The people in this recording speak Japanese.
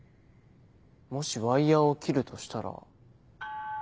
もしワイヤを切るとしたら。